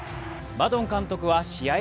マドン監督は試合